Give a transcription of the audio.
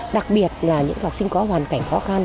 đặc biệt là những học sinh có hoàn cảnh khó khăn